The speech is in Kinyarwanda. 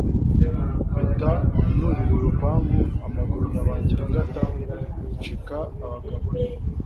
mpita nurira urupangu amaguru nyabangira ingata nshika abagabo ntyo